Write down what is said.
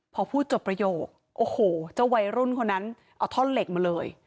พอพูดจบประโยคโอ้โหเจ้าวัยรุ่นคนนั้นเอาท่อนเหล็กมาเลย